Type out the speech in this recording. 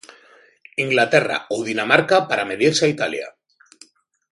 Inglaterra ou Dinamarca para medirse a Italia.